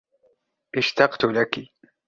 أشتقتُ لكِ.